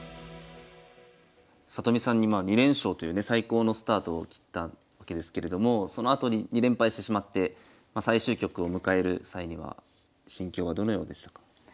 里見さんにまあ２連勝というね最高のスタートを切ったわけですけれどもそのあとに２連敗してしまって最終局を迎える際には心境はどのようでしたか？